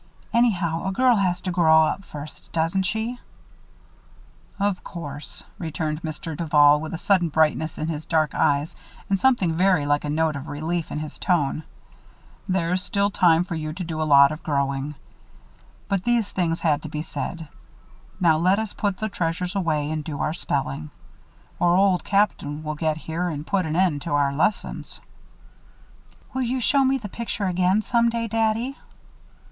Anyhow, a girl has to grow up first, doesn't she?" "Of course," returned Mr. Duval, with a sudden brightness in his dark eyes and something very like a note of relief in his tone. "There's still time for you to do a lot of growing. But these things had to be said. Now let us put the treasures away and do our spelling, or Old Captain will get here and put an end to our lessons." "Will you show me the picture again, some day, Daddy?"